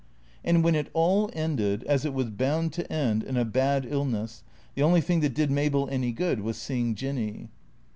And when it all ended, as it was bound to end, in a bad illness, the only thing that did Mabel any good was seeing Jinny.